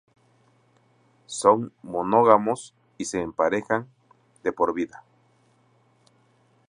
Son monógamos y se emparejan de por vida.